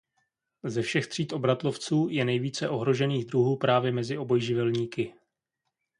Ze všech tříd obratlovců je nejvíce ohrožených druhů právě mezi obojživelníky.